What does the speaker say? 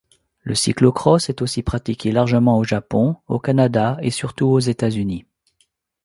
Le cyclo-cross est aussi pratiqué largement au Japon, au Canada, et surtout aux États-Unis.